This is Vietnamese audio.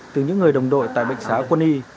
từ những người đồng đội tại bệnh xá quân y